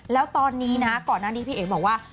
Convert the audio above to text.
แล้วเก่าตอนนี้พี่เอ๋วบอกว่า